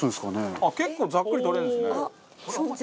結構ざっくり取れるんですね。